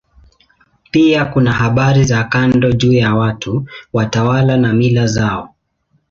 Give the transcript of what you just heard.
Pia kuna habari za kando juu ya watu, watawala na mila zao.